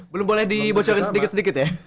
belum boleh dibocorkan sedikit sedikit ya